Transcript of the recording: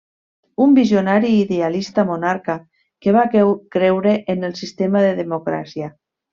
Un visionari i idealista monarca que va creure en el sistema de democràcia.